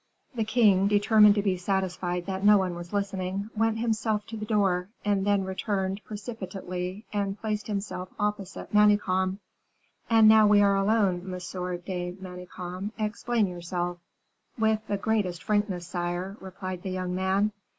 The king, determined to be satisfied that no one was listening, went himself to the door, and then returned precipitately and placed himself opposite Manicamp. "And now we are alone, Monsieur de Manicamp, explain yourself." "With the greatest frankness, sire," replied the young man.